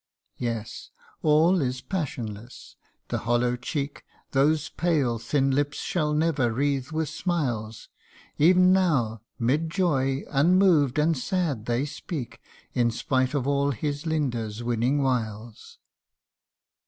Yes all is passionless the hollow cheek Those pale thin lips shall never wreathe with smiles ; Ev'n now, 'mid joy, unmoved and sad they speak In spite of all his Linda's winning wiles.